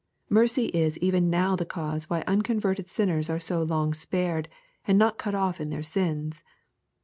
Mercy is even now the cause why unconverted sinners are so long spared, and not cut off in their sins.